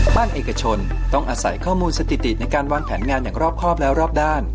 เอกชนต้องอาศัยข้อมูลสถิติในการวางแผนงานอย่างรอบครอบและรอบด้าน